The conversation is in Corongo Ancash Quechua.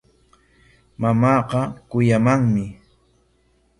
Mamaaqa kuyamanmi.